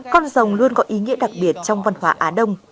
con rồng luôn có ý nghĩa đặc biệt trong văn hóa á đông